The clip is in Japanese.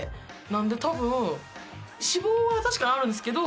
なので多分。